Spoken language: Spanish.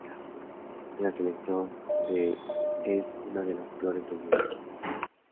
La selección de es una de las peores del mundo.